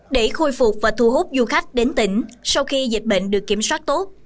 để khôi phục và thu hút du khách đến tỉnh sau khi dịch bệnh được kiểm soát tốt